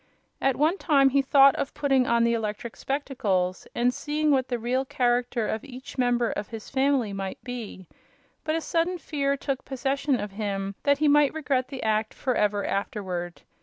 At one time he thought of putting on the electric spectacles and seeing what the real character of each member of his family might be; but a sudden fear took possession of him that he might regret the act forever afterward.